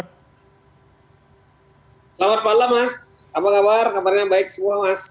selamat malam mas apa kabar kabarnya baik semua mas